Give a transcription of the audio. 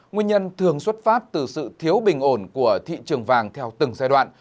nguyên nhân thường xuất phát từ sự thiếu bình ổn của thị trường vàng theo từng giai đoạn